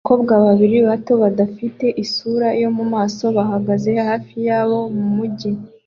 Abakobwa babiri bato badafite isura yo mumaso bahagaze hafi yabo mumujyi